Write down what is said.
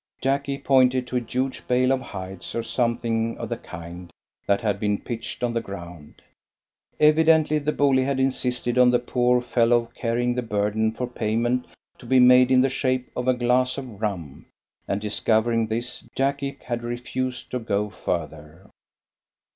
Jacky pointed to a huge bale of hides, or something of the kind, that had been pitched on the ground. Evidently the bully had insisted on the poor fellow carrying the burden for payment to be made in the shape of a glass of rum; and, discovering this, Jacky had refused to go further.